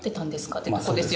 ってことですよね